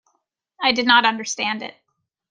I did not understand it.